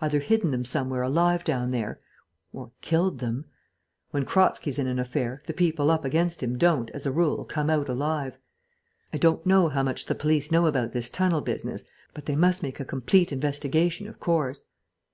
Either hidden them somewhere alive down there, or killed them. When Kratzky's in an affair, the people up against him don't, as a rule, come out alive.... I don't know how much the police know about this tunnel business, but they must make a complete investigation, of course."